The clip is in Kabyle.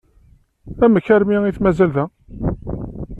Amek armi i t-mazal da?